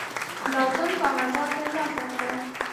لازم کاغذات ترلاسه کړل.